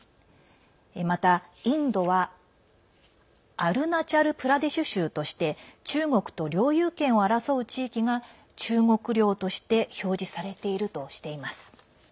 また、インドはアルナチャル・プラデシュ州として中国と領有権を争う地域が中国領として表示されているとしています。